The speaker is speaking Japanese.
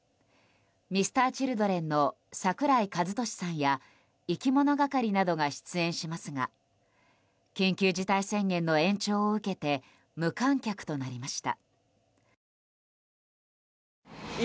Ｍｒ．Ｃｈｉｌｄｒｅｎの桜井和寿さんやいきものがかりなどが出演しますが緊急事態宣言の延長を受けて無観客となりました。